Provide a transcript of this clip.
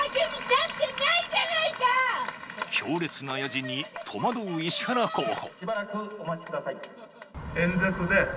強烈なヤジに、戸惑う石原候補。